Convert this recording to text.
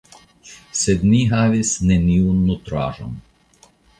Sed ni havis neniun nutraĵon.